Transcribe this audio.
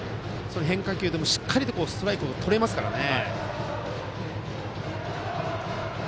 変化球でもしっかりとストライクをとれますからね。